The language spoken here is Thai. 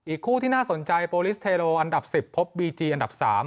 คู่ที่น่าสนใจโปรลิสเทโรอันดับ๑๐พบบีจีอันดับ๓